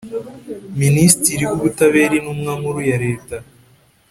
Minisitiri w Ubutabera Intumwa Nkuru ya leta